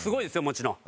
もちろん。